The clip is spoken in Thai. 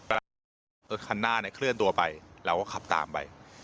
รถขันหน้าเคลื่อนตัวไปแล้วก็ขับตามไป